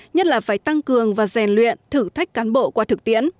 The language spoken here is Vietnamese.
nhất là phải tăng cường và rèn luyện thử thách cán bộ qua thực tiễn